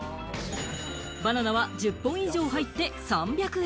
バナナは１０本以上入って３００円。